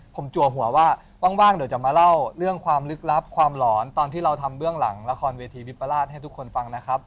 ผมจัวหัวว่าว่างเดี๋ยวจะมาเล่าเรื่องความลึกลับความหลอนตอนที่เราทำเบื้องหลังละครเวทีวิปราชให้ทุกคนฟังนะครับ